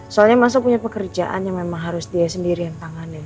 soalnya mas so punya pekerjaan yang memang harus dia sendirian tanganin